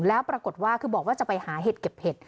แล้วปรากฏว่าคือบอกว่าจะไปหาเห็ดเก็บเห็ด